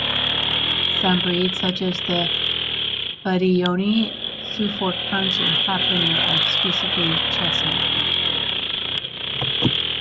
Some breeds, such as the Budyonny, Suffolk Punch, and Haflinger are exclusively chestnut.